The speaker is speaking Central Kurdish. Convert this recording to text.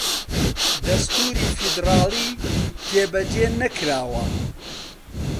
دەستووری فیدڕاڵی جێبەجێ نەکراوە